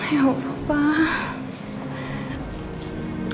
ya allah pak